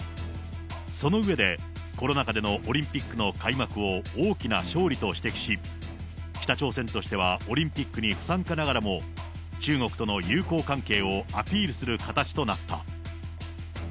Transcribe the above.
その上で、コロナ禍でのオリンピックの開幕を大きな勝利と指摘し、北朝鮮としてはオリンピックに不参加ながらも、中国との友好関係をアピールする形となった。